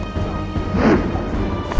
aku mau ke kanjeng itu